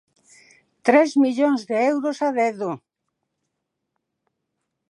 ¡Tres millóns de euros a dedo!